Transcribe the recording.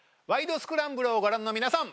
スクランブル」をご覧の皆さん。